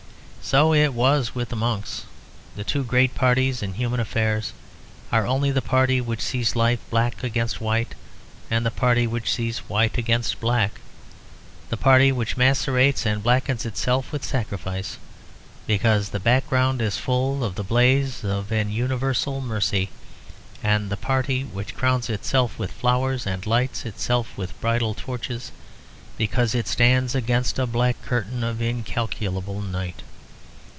So it was with the monks. The two great parties in human affairs are only the party which sees life black against white, and the party which sees it white against black, the party which macerates and blackens itself with sacrifice because the background is full of the blaze of an universal mercy, and the party which crowns itself with flowers and lights itself with bridal torches because it stands against a black curtain of incalculable night.